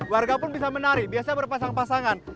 warga pun bisa menari biasanya berpasang pasangan